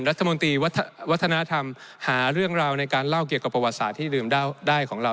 รัฐมนตรีวัฒนธรรมหาเรื่องราวในการเล่าเกี่ยวกับประวัติศาสตร์ที่ดื่มได้ของเรา